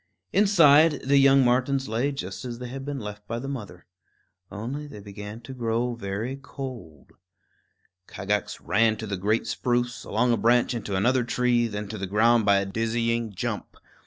Inside, the young martens lay just as they had been left by the mother; only they began to grow very cold. Kagax ran to the great spruce, along a branch into another tree; then to the ground by a dizzy jump.